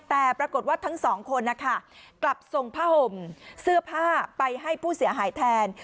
แต่ปรากฏว่าทั้งสองคนนะคะกลับส่งผ้าห่มเสื้อผ้าไปให้ผู้เสียหายแทน